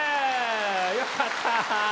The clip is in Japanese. よかった！